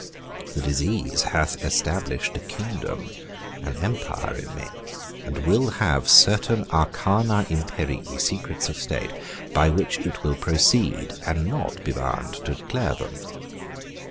The disease hath established a kingdom, an empire in me, and will have certain arcana imperii, secrets of state, by which it will proceed and not be bound to declare them.